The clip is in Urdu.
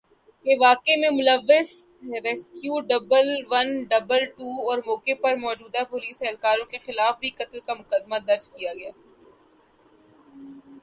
کہ واقعہ میں ملوث rescue double one double two اور موقع پر موجود پولیس اہلکاروں کے خلاف بھی قتل کا مقدمہ درج کیا جائے